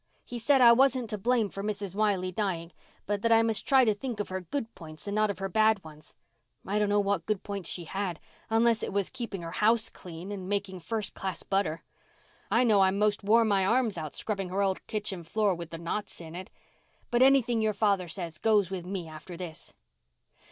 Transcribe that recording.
He said I wasn't to blame for Mrs. Wiley dying, but that I must try to think of her good points and not of her bad ones. I dunno what good points she had, unless it was keeping her house clean and making first class butter. I know I 'most wore my arms out scrubbing her old kitchen floor with the knots in it. But anything your father says goes with me after this."